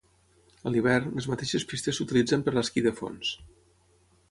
A l'hivern, les mateixes pistes s'utilitzen per l'esquí de fons.